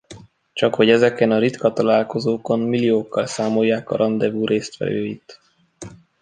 Csakhogy ezeken a ritka találkozókon milliókkal számolják a randevú résztvevőit.